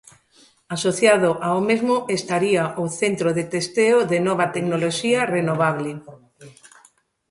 Asociado ao mesmo estaría o centro de testeo de nova tecnoloxía renovable.